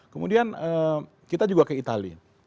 kemudian kita juga ke itali